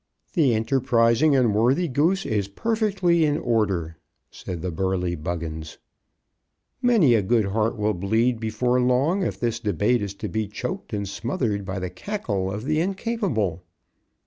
"The enterprising and worthy Goose is perfectly in order," said the burly Buggins. "Many a good heart will bleed before long if this debate is to be choked and smothered by the cackle of the incapable."